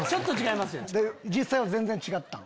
実際は全然違ったん？